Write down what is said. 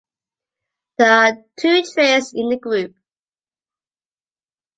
There are two trains in the group.